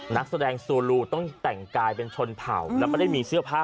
นักแสดงซูลูต้องแต่งกายเป็นชนเผ่าแล้วก็ได้มีเสื้อผ้า